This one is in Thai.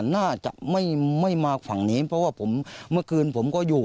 น่าจะไม่มาฝั่งนี้เพราะว่าผมเมื่อคืนผมก็อยู่